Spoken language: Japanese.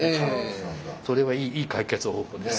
それはいい解決方法です。